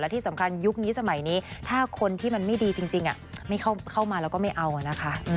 ที่สำคัญยุคนี้สมัยนี้ถ้าคนที่มันไม่ดีจริงไม่เข้ามาแล้วก็ไม่เอานะคะ